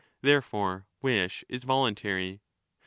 Therefore wish is voluntary.